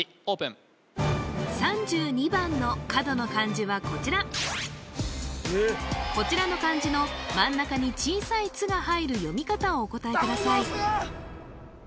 オープン３２番の角の漢字はこちらこちらの漢字の真ん中に小さい「っ」が入る読み方をお答えください